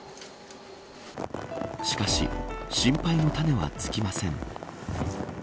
しかし、心配の種は尽きません。